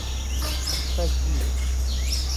Fiji